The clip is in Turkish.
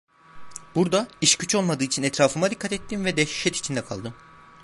Burada iş güç olmadığı için etrafıma dikkat ettim ve dehşet içinde kaldım.